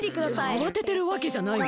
あわててるわけじゃないんだが。